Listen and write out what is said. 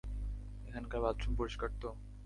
এখানকার বাথরুম পরিষ্কার তো?